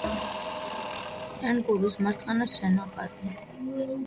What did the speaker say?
ენგურის მარცხენა შენაკადი.